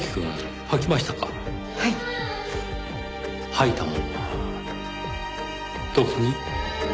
吐いたものはどこに？